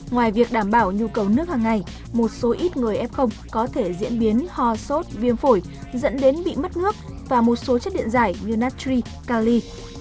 ngoài việc đảm bảo nhu cầu nước hàng ngày một số ít người f có thể diễn biến ho sốt viêm phổi dẫn đến bị mất nước và một số chất điện giải như natri cali